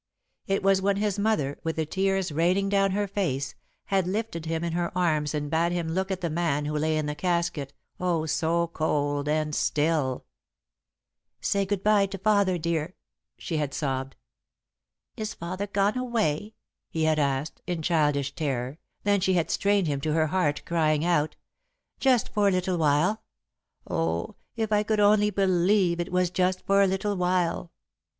It was when his mother, with the tears raining down her face, had lifted him in her arms and bade him look at the man who lay in the casket, oh, so cold and still. [Sidenote: The Passing of the Father] "Say good bye to Father, dear," she had sobbed. "Is Father gone away?" he had asked, in childish terror, then she had strained him to her heart, crying out: "Just for a little while! Oh, if I could only believe it was for just a little while!"